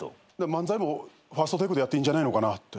漫才もＦＩＲＳＴＴＡＫＥでやっていいんじゃないのかなって。